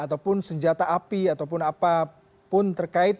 ataupun senjata api ataupun apapun terkait